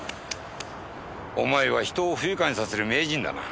お前は人を不愉快にさせる名人だな。